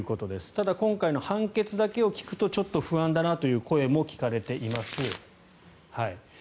ただ今回の判決だけを聞くとちょっと不安だなという声も聞かれております。